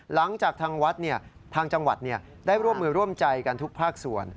หลังจากทางวัดทางจังหวัดได้ร่วมมือร่วมใจกันทุกภาคส่วน